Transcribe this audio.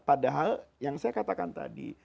padahal yang saya katakan tadi